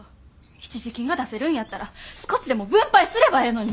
一時金が出せるんやったら少しでも分配すればええのに！